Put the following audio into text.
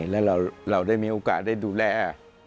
และเราได้มีโอกาสได้ดูแล